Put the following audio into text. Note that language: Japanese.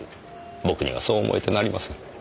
僕にはそう思えてなりません。